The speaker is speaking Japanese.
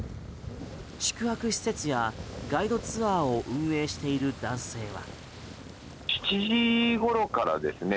宿泊施設やガイドツアーを運営している男性は。